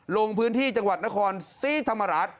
ลงพื้นที่จังหวัดนครศรีธรรมราช